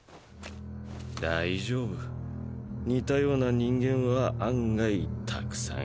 大丈夫似たような人間は案外沢山いるもんだ。